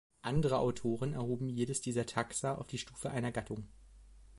Andere Autoren erhoben jedes dieser Taxa auf die Stufe einer Gattung.